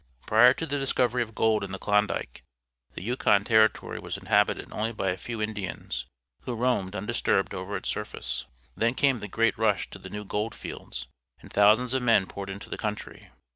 Prior to the discovery of gold in the Klon dike, the Yukon Territory was inhabited only by a few Indians, who roamed undisturbed over its surface. Then came the great rush to the new gold fields, and thousands of men poured into the country.